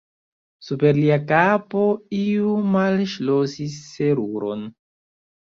Super lia kapo iu malŝlosis seruron.